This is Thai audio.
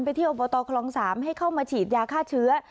เที่ยวอบตคลอง๓ให้เข้ามาฉีดยาฆ่าเชื้อ